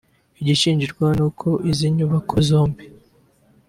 Igishingirwaho ni uko izi nyubako zombi